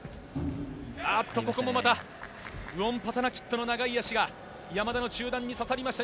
ここもまたウオンパタナキットの長い脚が山田の中段に刺さりました。